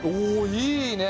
いいね！